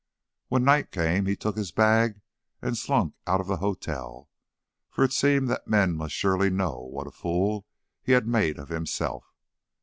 When night came he took his bag and slunk out of the hotel, for it seemed that men must surely know what a fool he had made of himself.